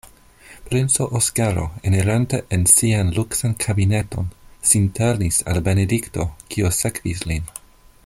Princo Oskaro, enirante en sian luksan kabineton, sin turnis al Benedikto, kiu sekvis lin.